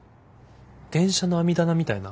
電車の網棚みたいな？